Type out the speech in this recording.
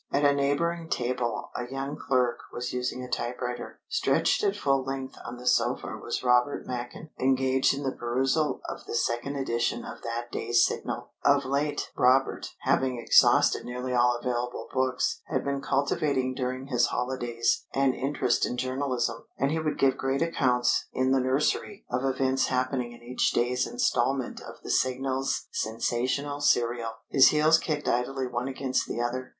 At a neighbouring table a young clerk was using a typewriter. Stretched at full length on the sofa was Robert Machin, engaged in the perusal of the second edition of that day's Signal. Of late Robert, having exhausted nearly all available books, had been cultivating during his holidays an interest in journalism, and he would give great accounts, in the nursery, of events happening in each day's instalment of the Signal's sensational serial. His heels kicked idly one against the other.